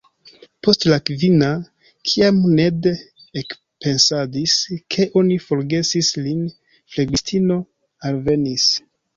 Post la kvina, kiam Ned ekpensadis ke oni forgesis lin, flegistino alvenis.